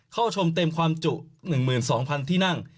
เข้าชมเต็มความจุ๑๒๐๐๐ที่นั่ง